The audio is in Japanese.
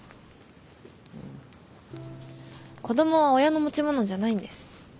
子供は親の持ち物じゃないんです。